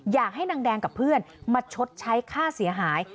อยากให้นางแดงกับเพื่อนมาชดใช้ค่าเสียหาย